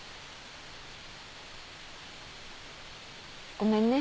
ごめんね。